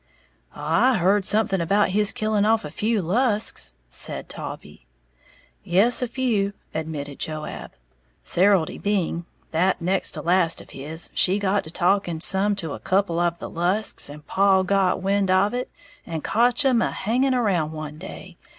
"I heared something about his killing off a few Lusks," said Taulbee. "Yes, a few," admitted Joab; "Serildy Byng, that next to last of his, she got to talking some to a couple of the Lusks, and paw got wind of it, and kotch 'em a hanging around one day.